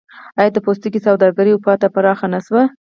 آیا د پوستکي سوداګري اروپا ته پراخه نشوه؟